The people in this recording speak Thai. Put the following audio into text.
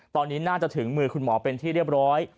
ตอนนี้น่าจะถึงมือคุณหมอเป็นที่เรียบร้อย